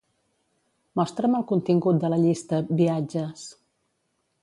Mostra'm el contingut de la llista "viatges".